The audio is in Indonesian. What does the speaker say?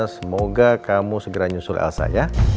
semoga kamu segera nyusul elsa ya